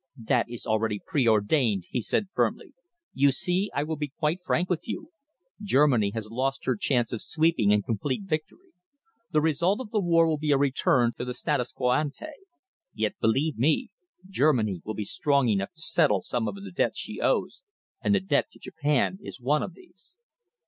"That is already preordained," he said firmly. "You see, I will be quite frank with you. Germany has lost her chance of sweeping and complete victory. The result of the war will be a return to the status quo ante. Yet, believe me, Germany will be strong enough to settle some of the debts she owes, and the debt to Japan is one of these."